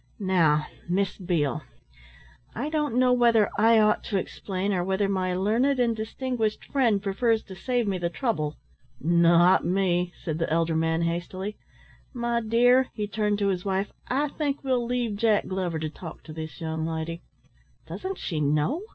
"Now Miss Beale, I don't know whether I ought to explain or whether my learned and distinguished friend prefers to save me the trouble." "Not me," said the elder man hastily. "My dear," he turned to his wife, "I think we'll leave Jack Glover to talk to this young lady." "Doesn't she know?"